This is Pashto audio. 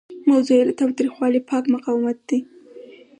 موضوع یې له تاوتریخوالي پاک مقاومت دی.